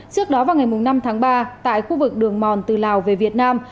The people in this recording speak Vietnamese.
trước đó vào ngày năm tháng ba tại khu vực đường mòn từ lào về việt nam